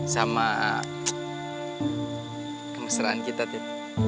sama kemesraan kita tiff